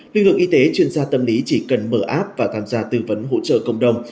luyện lượng y tế chuyên gia tâm lý chỉ cần mở app và tham gia tư vấn hỗ trợ công đồng